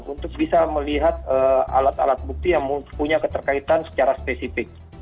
untuk bisa melihat alat alat bukti yang punya keterkaitan secara spesifik